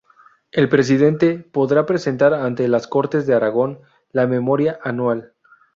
El Presidente podrá presentar ante las Cortes de Aragón la memoria anual.